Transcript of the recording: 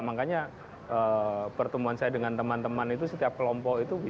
makanya pertemuan saya dengan teman teman itu setiap kelompoknya